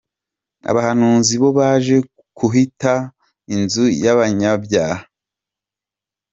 Abahanuzi bo baje kuhita “inzu y’abanyabyaha.”